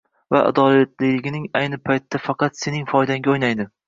va adolatliliging ayni paytda faqat sening foydangga o‘ynaydi.